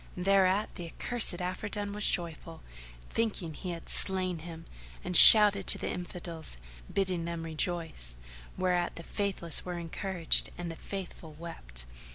Thereat the accursed Afridun was joyful, thinking he had slain him; and shouted to the Infidels bidding them rejoice, whereat the Faithless were encouraged and the Faithful wept.